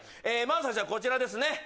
まず最初はこちらですね